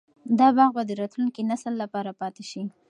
دا باغ به د راتلونکي نسل لپاره پاتې شي.